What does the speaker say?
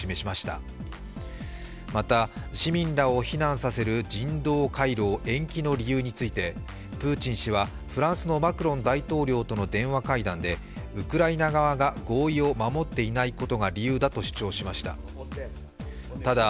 また市民らを避難させる人道回廊延期の理由についてプーチン氏はフランスのマクロン大統領との電話会談でウクライナ側が合意を守っていないことが理由だと主張しました。